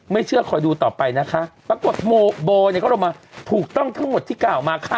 ไม่เชื่อคอยดูต่อไปนะคะปรากฏโมโบเนี่ยเขาลงมาถูกต้องทั้งหมดที่กล่าวมาค่ะ